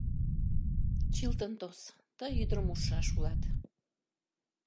— Чилтон тос, тый ӱдырым ужшаш улат!